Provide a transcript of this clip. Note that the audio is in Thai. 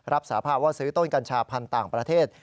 สาภาพว่าซื้อต้นกัญชาพันธุ์ต่างประเทศ